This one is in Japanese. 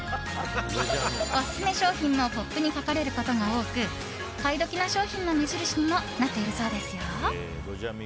オススメ商品のポップに描かれることが多く買い時な商品の目印にもなっているそうですよ。